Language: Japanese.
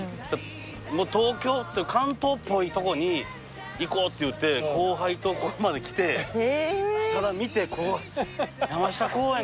「もう東京関東っぽいとこに行こう」って言って後輩とここまで来てただ見て「山下公園